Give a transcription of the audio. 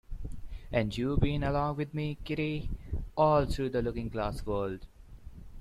And you’ve been along with me, Kitty—all through the Looking-Glass world.